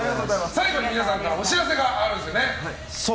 最後に皆さんからお知らせがあるんですよね。